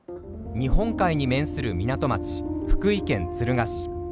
日本海に面する港町福井県敦賀市。